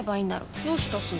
どうしたすず？